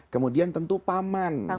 kemudian tentu paman